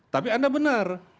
tapi anda benar